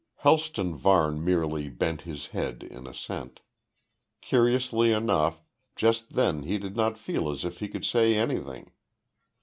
Helston Varne merely bent his head in assent. Curiously enough, just then he did not feel as if he could say anything.